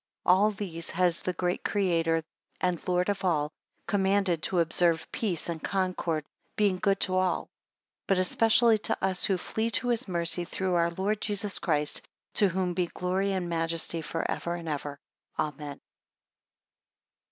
17 All these has the Great Creator and Lord of all, commanded to observe peace and concord; being good to all. 18 But especially to us who flee to his mercy through our Lord Jesus Christ; to whom be glory and majesty for ever and ever. Amen.